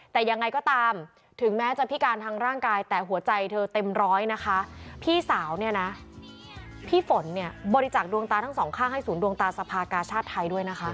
แต่ยังไงก็ตามถึงแม้จะพิการทางร่างกายแต่หัวใจเธอเต็มร้อยนะคะพี่สาวเนี่ยนะพี่ฝนเนี่ยบริจาคดวงตาทั้งสองข้างให้ศูนย์ดวงตาสภากาชาติไทยด้วยนะคะ